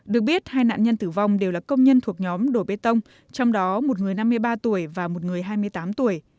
được biết hai nạn nhân tử vong đều là công nhân thuộc nhóm đổ bê tông trong đó một người năm mươi ba tuổi và một người hai mươi tám tuổi